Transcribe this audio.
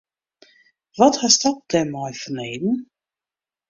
Wat hasto dêrmei fanneden?